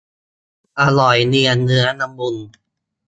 อร่อยเนียนเนื้อละมุน